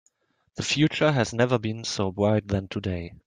The future has never been so bright than today.